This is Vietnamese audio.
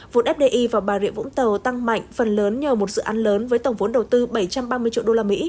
vốn fdi vào bà rịa vũng tàu tăng mạnh phần lớn nhờ một dự án lớn với tổng vốn đầu tư bảy trăm ba mươi triệu usd